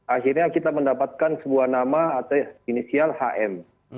akhirnya kita mendapatkan sebuah nama atau inisial hm